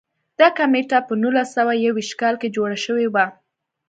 دا کمېټه په نولس سوه یو ویشت کال کې جوړه شوې وه.